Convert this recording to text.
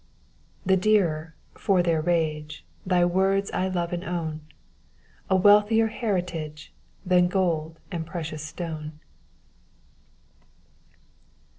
The dearer, for their rage. Thy words I love and own, — A wealthier heritajj^e Than gold and precious stone."